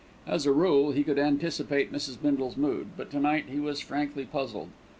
As a rule he could anticipate Mrs. Bindle's mood; but to night he was frankly puzzled.